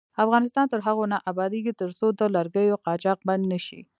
افغانستان تر هغو نه ابادیږي، ترڅو د لرګیو قاچاق بند نشي.